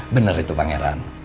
bener itu pangeran